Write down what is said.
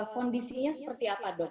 kondisinya seperti apa dok